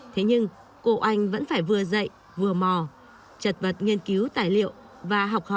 thế nhưng cô anh vẫn phải vừa dạy vừa mò trật vật nghiên cứu tài liệu và học khóa